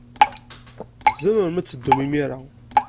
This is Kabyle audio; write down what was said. Tzemrem ad teddum imir-a.